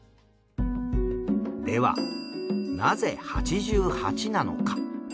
ではなぜ八十八なのか？